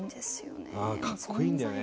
うんかっこいいんだよね。